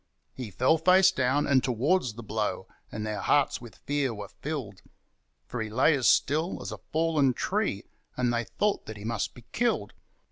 He fell face down, and towards the blow; and their hearts with fear were filled, For he lay as still as a fallen tree, and they thought that he must be killed.